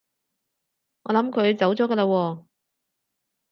我諗佢走咗㗎喇喎